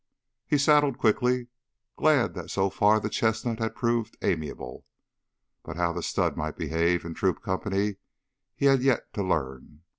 He saddled quickly, glad that so far the chestnut had proved amiable. But how the stud might behave in troop company he had yet to learn.